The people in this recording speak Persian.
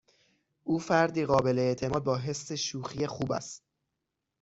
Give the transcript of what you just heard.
او فردی قابل اعتماد با حس شوخی خوب است.